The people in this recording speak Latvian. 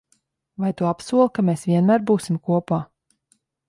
Vai tu apsoli, ka mēs vienmēr būsim kopā?